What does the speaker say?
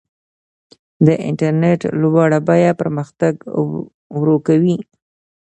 د انټرنیټ لوړه بیه پرمختګ ورو کوي.